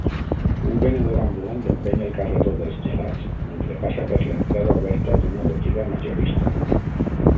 Un venedor ambulant empeny el carretó dels gelats mentre passa per l'entrada oberta d'una botiga majorista.